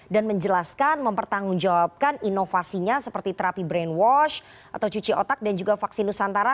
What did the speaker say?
dan menjelaskan mempertanggungjawabkan inovasinya seperti terapi brainwash atau cuci otak dan juga vaksinus antara